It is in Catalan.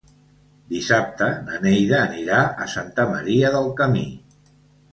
Dissabte na Neida anirà a Santa Maria del Camí.